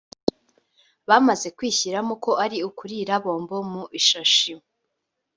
Bamaze kwishyiramo ko ari ukurira bombo mu ishashi